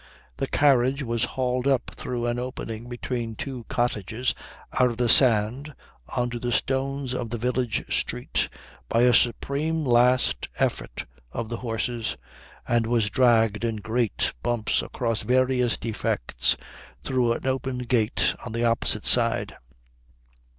The carriage was hauled up through an opening between two cottages out of the sand on to the stones of the village street by a supreme last effort of the horses, and was dragged in great bumps across various defects through an open gate on the opposite side.